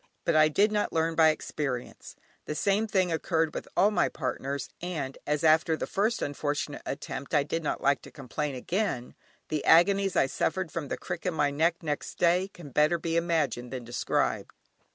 But I did not learn by experience: the same thing occurred with all my partners, and as, after the first unfortunate attempt I did not like to complain again, the agonies I suffered from the crick in my neck next day can better be imagined than described.